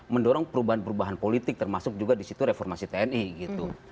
mendorong perubahan perubahan politik termasuk juga di situ reformasi tni gitu